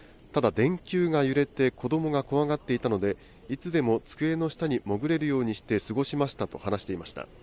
ただ電球が揺れて、子どもが怖がっていたので、いつでも机の下に潜れるようにして過ごしましたと話していました。